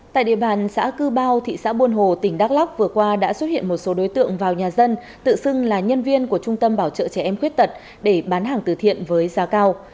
tại địa bàn xã cư bao thị xã buôn hồ tỉnh đắk lóc vừa qua đã xuất hiện một số đối tượng vào nhà dân tự xưng là nhân viên của trung tâm bảo trợ trẻ em khuyết tật để bán hàng từ thiện với giá cao